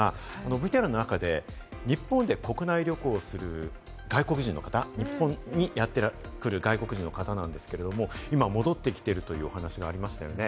ＶＴＲの中で、日本で国内旅行をする外国人の方、日本にやってくる外国人の方なんですけれども、今、戻ってきているというお話がありましたよね。